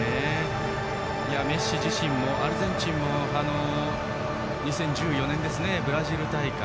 メッシ自身もアルゼンチンも２０１４年のブラジル大会。